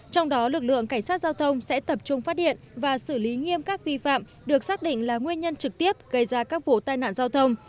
trong đó lực lượng cảnh sát giao thông sẽ tập trung phát hiện và xử lý nghiêm các vi phạm được xác định là nguyên nhân trực tiếp gây ra các vụ tai nạn giao thông